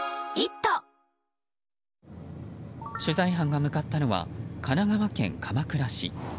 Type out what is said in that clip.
取材班が向かったのは神奈川県鎌倉市。